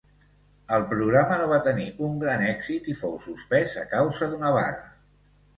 El programa no va tenir un gran èxit, i fou suspès a causa d'una vaga.